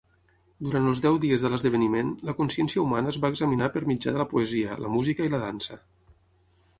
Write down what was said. Durant els deu dies de l'esdeveniment, la consciència humana es va examinar per mitjà de la poesia, la música i la dansa.